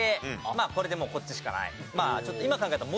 まあこれでもうこっちしかない。